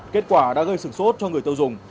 kết quả đã gây sửng sốt cho người tiêu dùng